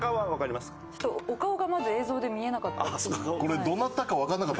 ちょっとお顔がまず映像で見えなかった。